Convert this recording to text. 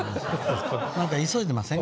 何か急いでません？